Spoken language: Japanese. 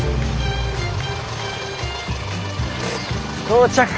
到着。